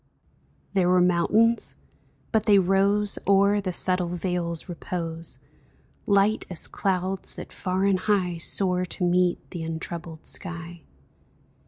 There were mountains, but they rose O'er the subtile vale's repose, Light as clouds that far and high Soar to meet the untroubled sky.